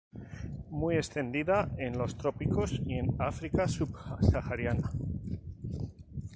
Muy extendida en los trópicos y en África subsahariana.